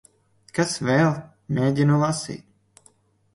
Kas vēl? Mēģinu lasīt.